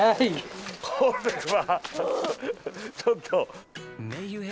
これはちょっと。